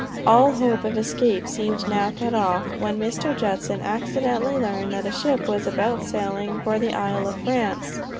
All hope of escape seemed now cut off, when Mr. Judson accidentally learned that a ship was about sailing for the Isle of France.